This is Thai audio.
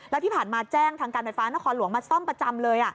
แล้วที่ผ่านมาแจ้งทางการไฟฟ้านครหลวงมาซ่อมประจำเลย